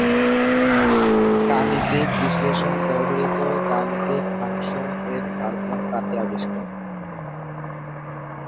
গাণিতিক বিশ্লেষণে ব্যবহৃত গাণিতিক ফাংশন-এর ধারণা তারই আবিষ্কার।